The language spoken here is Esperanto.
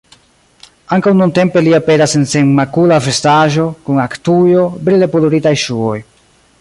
Ankaŭ nuntempe li aperas en senmakula vestaĵo, kun aktujo, brile poluritaj ŝuoj.